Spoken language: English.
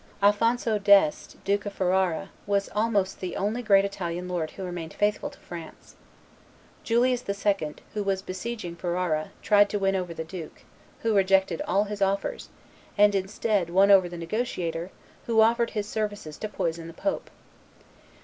Alphonso d' Este, Duke of Ferrara, was almost the only great Italian lord who remained faithful to France. Julius II., who was besieging Ferrara, tried to win over the duke, who rejected all his offers, and, instead, won over the negotiator, who offered his services to poison the pope.